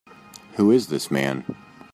Who is this man?